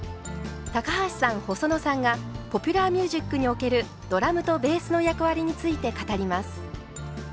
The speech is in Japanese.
高橋さん細野さんがポピュラーミュージックにおけるドラムとベースの役割について語ります。